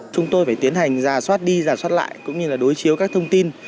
chúng tôi phải tiến hành giả soát đi giả soát lại cũng như là đối chiếu các thông tin